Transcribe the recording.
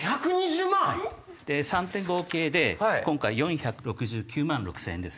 ３点合計で今回４６９万６０００円です。